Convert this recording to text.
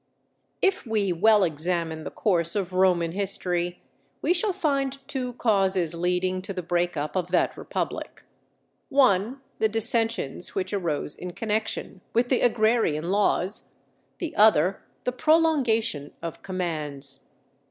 If we well examine the course of Roman history, we shall find two causes leading to the break up of that republic: one, the dissensions which arose in connection with the agrarian laws; the other, the prolongation of commands.